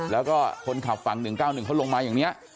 แล้วก็คนขับฝั่ง๑๙๑เขาลงมาอย่างนี้